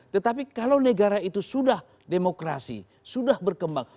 tetapi kalau negara itu sudah demokrasi sudah berkembang